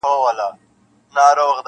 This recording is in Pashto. • لېونی یې که بې برخي له حیا یې؟ -